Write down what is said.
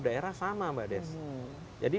daerah sama mbak des jadi